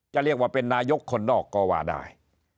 จะเรียกว่าเป็นนายกคนนอกก็ว่าได้